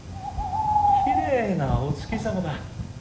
きれいなお月様だ。